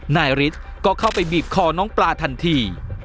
นายฤทธิ์ก็เข้าไปบีบคอน้องปลาทันที